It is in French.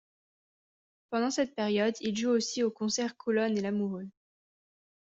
Pendant cette période, il joue aussi aux concerts Colonne et Lamoureux.